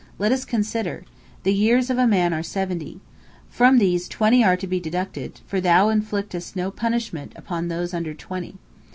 Let us consider. The years of a man are seventy. From these twenty are to be deducted, for Thou inflictest no punishment upon those under twenty.